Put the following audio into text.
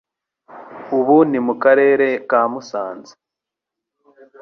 ubu ni mu Karere ka Musanze.